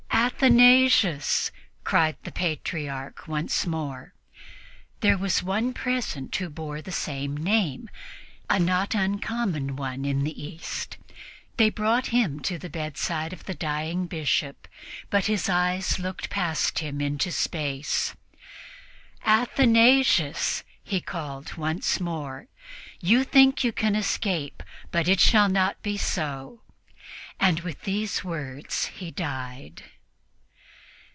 "Athanasius!" called the Patriarch once more. There was one present who bore the same name, a not uncommon one in the East; they brought him to the bedside of the dying Bishop, but his eyes looked past him into space. "Athanasius!" he called once more, "you think you can escape, but it shall not be so." And with these words he died.